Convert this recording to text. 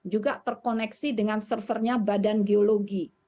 juga terkoneksi dengan servernya badan geologi